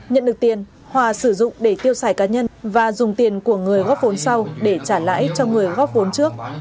nhận được tiền hòa sử dụng để tiêu xài cá nhân và dùng tiền của người góp vốn sau để trả lãi cho người góp vốn trước